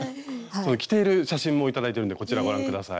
着ている写真も頂いてるんでこちらご覧下さい。